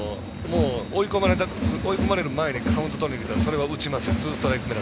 追い込まれる前にカウントをとりにいく、それを打ちますよね。